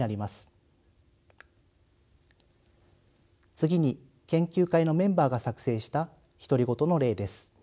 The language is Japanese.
次に研究会のメンバーが作成した独り言の例です。